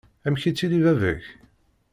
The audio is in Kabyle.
Amek ittili baba-k?